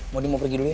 modi mau pergi dulu ya